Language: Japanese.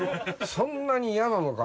そんなに嫌なのか。